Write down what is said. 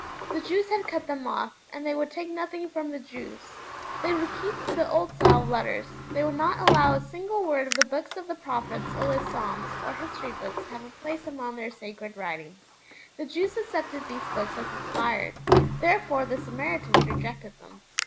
The Jews had cut them off, and they would take nothing from the Jews; they would keep to the old style of letters; they would not allow a single word of the Books of the Prophets or the Psalms or History Books to have a place among their sacred writings. The Jews accepted these Books as inspired; therefore the Samaritans rejected them.